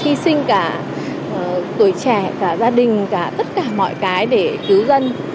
hy sinh cả tuổi trẻ cả gia đình cả tất cả mọi cái để cứu dân